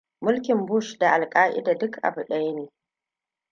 Mulkin Bush da Al-Qaída duk abu ɗaya ne?